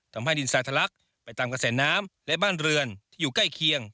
ทำให้ดินทรายทะลักไปตามกระแสน้ำและบ้านเรือนที่อยู่ใกล้เคียง